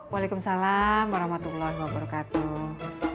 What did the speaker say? waalaikumsalam warahmatullahi wabarakatuh